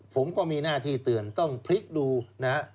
ผมก็มีหน้าที่เตือนต้องพลิกดูนะฮะ